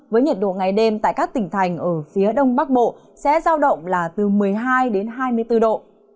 với nhiệt độ ngày đêm tại các tỉnh thành ở phía đông bắc bộ sẽ giao động là từ một mươi hai hai mươi bốn độ